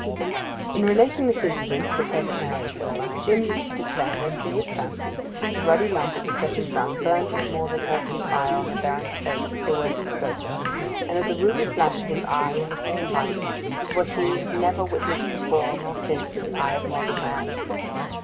In relating this incident to the present narrator Jim used to declare that, to his fancy, the ruddy light of the setting sun burned with more than earthly fire on the Baron's face as the words were spoken; and that the ruby flash of his eye in the same light was what he never witnessed before nor since in the eye of mortal man.